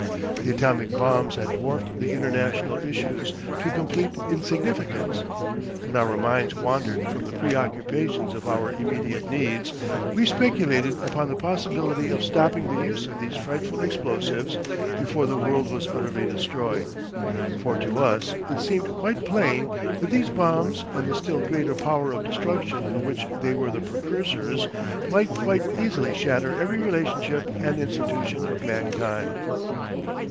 The atomic bombs had dwarfed the international issues to complete insignificance. When our minds wandered from the preoccupations of our immediate needs, we speculated upon the possibility of stopping the use of these frightful explosives before the world was utterly destroyed. For to us it seemed quite plain that these bombs and the still greater power of destruction of which they were the precursors might quite easily shatter every relationship and institution of mankind.